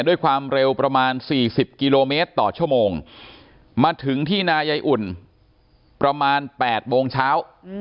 ด้วยความเร็วประมาณ๔๐กิโลเมตรต่อชั่วโมงมาถึงที่นายายอุ่นประมาณ๘โมงเช้า